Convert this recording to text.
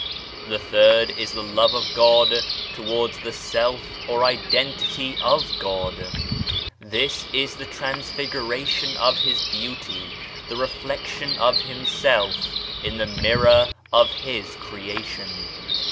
The third is the love of God towards the Self or Identity of God. This is the transfiguration of His Beauty, the reflection of Himself in the mirror of His Creation.